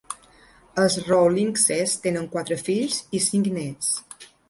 Els Rawlingses tenen quatre fills i cinc nets.